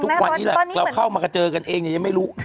ทุกวันนี้แหละเราเข้ามาก็เจอกันเองเนี่ยยังไม่รู้